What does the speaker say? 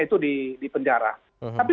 itu di penjara tapi